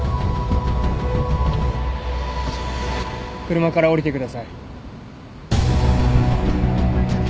車から降りてください。